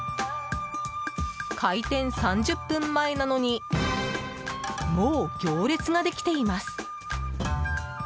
開店３０分前なのにもう行列ができています！